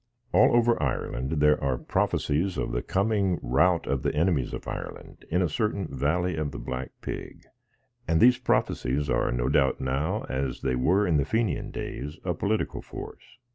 All over Ireland there are prophecies of the coming rout of the enemies of Ireland, in a certain Valley of the Black Pig, and these pro phecies are, no doubt, now, as they were in the 95 Fenian days, a political force.